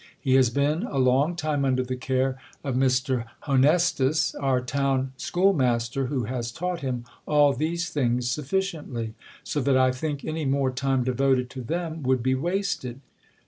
He has been a long time under the care of Mr. Ilonestus, our town schoolmas ter, who has taught him all these things sutTiciently. So that I think any more time devoted to them would be wasted.